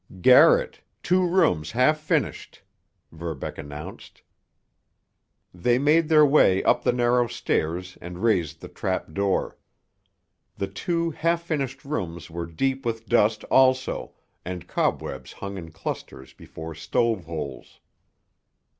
"Garret—two rooms half finished," Verbeck announced. "They made their way up the narrow stairs and raised the trapdoor. The two half finished rooms were deep with dust also, and cobwebs hung in clusters before stove holes.